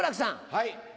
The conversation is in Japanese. はい。